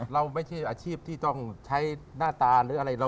เราไม่ใช่อาชีพที่ต้องใช้หน้าตาหรืออะไร